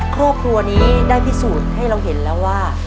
ครอบครัวนี้ได้พิสูจน์ให้เราเห็นแล้วว่า